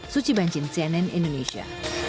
suci banjim cnn indonesia